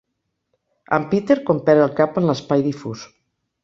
En Peter quan perd el cap en l'espai difús.